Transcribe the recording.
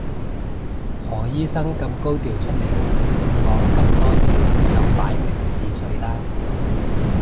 何醫生咁高調出嚟講咁多嘢就擺明試水啦